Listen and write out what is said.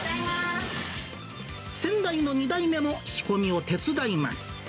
先代の２代目も仕込みを手伝います。